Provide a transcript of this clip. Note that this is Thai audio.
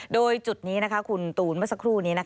โดยจุดนี้คุณตูนเมื่อสักครู่นี้